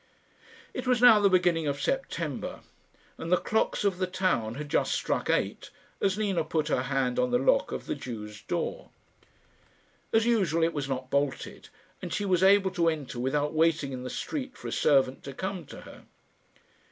It was now the beginning of September, and the clocks of the town had just struck eight as Nina put her hand on the lock of the Jew's door. As usual it was not bolted, and she was able to enter without waiting in the street for a servant to come to her.